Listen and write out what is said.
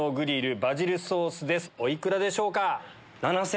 お幾らでしょうか？